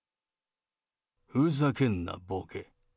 ふざけんな、ぼけ。